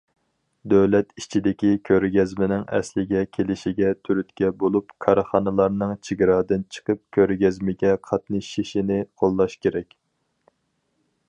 دۆلەت ئىچىدىكى كۆرگەزمىنىڭ ئەسلىگە كېلىشىگە تۈرتكە بولۇپ، كارخانىلارنىڭ چېگرادىن چىقىپ كۆرگەزمىگە قاتنىشىشىنى قوللاش كېرەك.